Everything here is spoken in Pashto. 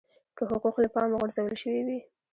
که حقوق له پامه غورځول شوي وي.